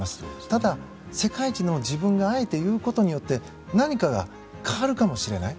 ただ、世界一の自分があえて言うことによって何かが変わるかもしれない。